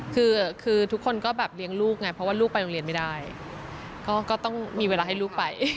คือทุกคนก็แบบเลี้ยงลูกไงเพราะว่าลูกไปโรงเรียนไม่ได้ก็ต้องมีเวลาให้ลูกไป